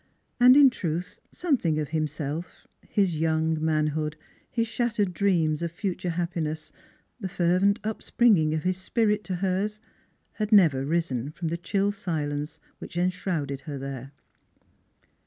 And in truth something of himself his young manhood, his shattered dreams of future happiness, the fervent upspringing of his spirit to hers had never risen from the chill silence which enshrouded her there.